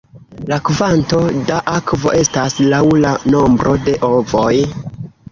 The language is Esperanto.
La kvanto da akvo estas laŭ la nombro de ovoj.